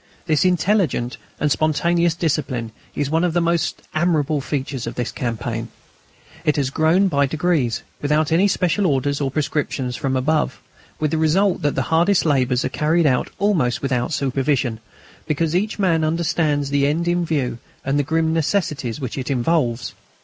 This intelligent and spontaneous discipline is one of the most admirable features of this campaign. It has grown up by degrees, without any special orders or prescriptions from above, with the result that the hardest labours are carried out almost without supervision, because each man understands the end in view and the grim necessities which it involves.